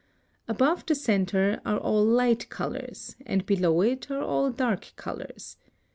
Above the centre are all light colors, and below it are all dark colors.